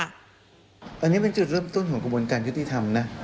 อันนี้เป็นจุดเริ่มต้นของกระบวนการยุติธรรมนะ